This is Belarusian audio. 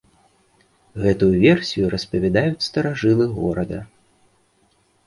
Гэтую версію распавядаюць старажылы горада.